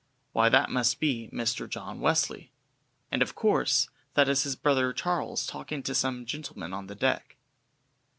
Why that must be Mr. John Wesley! And, of course, that is his brother Charles talking to some gentlemen on the deck.